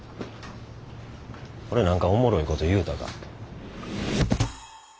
俺何かおもろいこと言うたか？